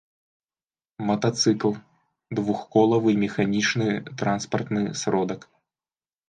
матацыкл — двухколавы механiчны транспартны сродак